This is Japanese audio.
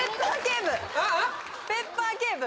「ペッパー警部」